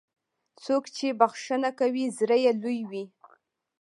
څوک چې بښنه کوي، زړه یې لوی وي.